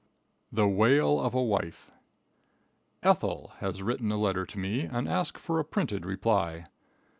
The Wail Of A Wife. "Ethel" has written a letter to me and asked for a printed reply.